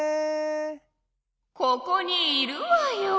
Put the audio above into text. ここにいるわよ！